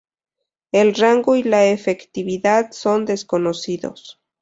El rango y la efectividad son desconocidos.